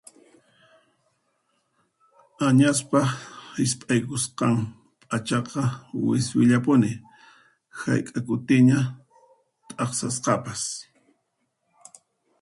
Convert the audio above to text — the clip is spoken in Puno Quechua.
Añaspaq hisp'aykusqan p'achaqa wiswillapuni hayk'a kutiña t'aqsasqapas.